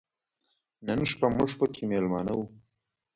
نن شپه موږ پکې مېلمانه و.